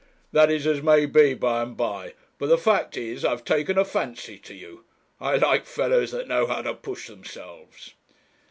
'That is as may be, by and by. But the fact is, I have taken a fancy to you. I like fellows that know how to push themselves.'